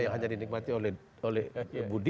yang hanya dinikmati oleh budi